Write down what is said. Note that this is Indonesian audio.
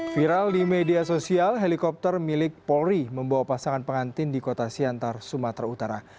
viral di media sosial helikopter milik polri membawa pasangan pengantin di kota siantar sumatera utara